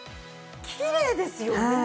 きれいですよね。